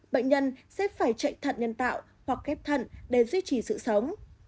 bệnh nhân sẽ phải chạy thận nhân tạo hoặc ghép thận để duy trì sự sống